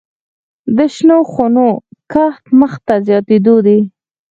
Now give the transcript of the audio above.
د شنو خونو کښت مخ په زیاتیدو دی